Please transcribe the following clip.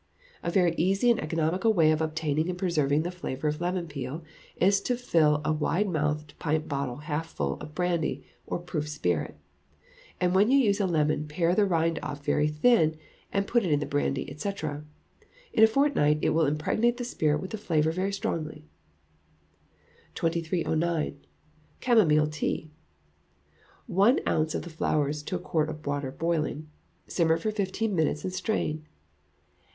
A very easy and economical way of obtaining and preserving the flavour of lemon peel, is to fill a wide mouthed pint bottle half full of brandy, or proof spirit; and when you use a lemon pare the rind off very thin, and put it into the brandy, &c. in a fortnight it will impregnate the spirit with the flavour very strongly. 2309. Camomile Tea. One ounce of the flowers to a quart of water boiling. Simmer for fifteen minutes and strain.